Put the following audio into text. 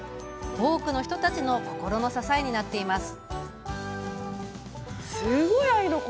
多くの人たちの心の支えになっています。